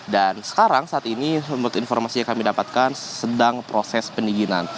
dan sekarang saat ini menurut informasi yang kami dapatkan sedang proses peniginan